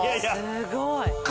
すごい。